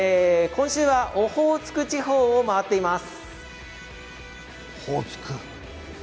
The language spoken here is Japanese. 今週はオホーツク地方を回っています。